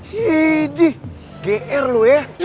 hidih gr lu ya